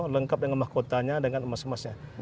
lengkap dengan emas kotanya dengan emas emasnya